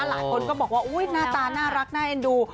หลายคนก็บอกว่าน่าตาน่ารักน่าแอ็นดู